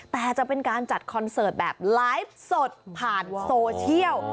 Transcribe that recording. แต่จะเป็นการจัดคอนเสิร์ตแบบไลฟ์สดผ่านโซเชียล